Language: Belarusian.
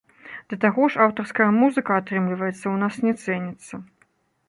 Да таго ж, аўтарская музыка, атрымліваецца, у нас не цэніцца.